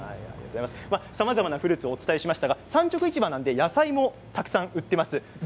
さまざまなフルーツをお伝えしましたが産直市場なので野菜もたくさん売っています。